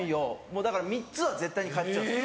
もうだから３つは絶対に買っちゃうんですよ。